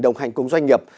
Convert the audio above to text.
đồng hành cùng doanh nghiệp